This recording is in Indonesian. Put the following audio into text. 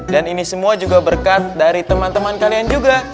dan ini semua juga berkat dari teman teman kalian juga